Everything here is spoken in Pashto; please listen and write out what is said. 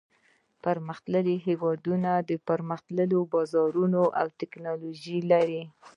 پرمختللي هېوادونه پرمختللي بازارونه او تکنالوجي لري.